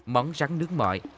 món rắn nước mọi